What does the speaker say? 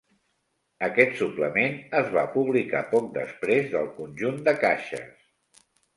Aquest suplement es va publicar poc després del conjunt de caixes.